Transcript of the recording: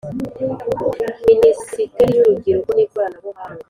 Minisiteri y Urubyiruko n Ikoranabuhanga